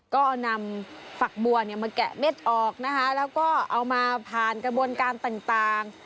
ก็นำฝักบัวเนี่ยมาแกะเม็ดออกนะคะแล้วก็เอามาผ่านกระบวนการต่าง